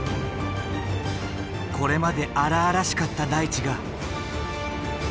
これまで荒々しかった大地が。